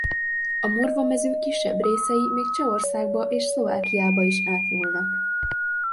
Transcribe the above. A Morva-mező kisebb részei még Csehországba és Szlovákiába is átnyúlnak.